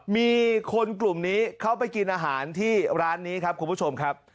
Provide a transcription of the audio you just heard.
มีคนกลุ่มนี้เขาไปกินอาหารที่ร้านนี้ครับคุณผู้ชมครับ